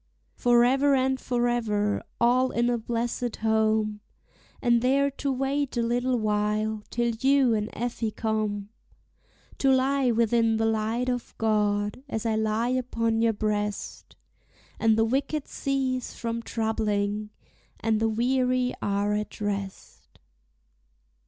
Forever and forever, all in a blessèd home, And there to wait a little while till you and Effie come, To lie within the light of God, as I lie upon your breast, And the wicked cease from troubling, and the weary are at rest.